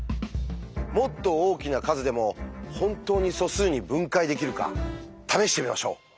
もっと大きな数でも本当に素数に分解できるか試してみましょう。